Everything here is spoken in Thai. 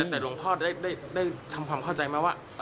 หลวงพ่อได้ทำความเข้าใจไหมว่า